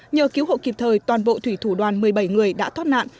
nhờ cứu hộ kịp thời toàn bộ thủy thủ đoàn một mươi bảy người đã thoát nạn